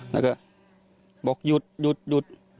แล้วก็บอกหยุดหยุด